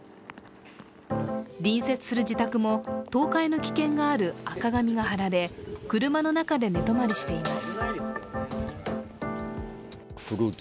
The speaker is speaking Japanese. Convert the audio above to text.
隣接する自宅も倒壊の危険がある赤紙が貼られ車の中で寝泊まりしています。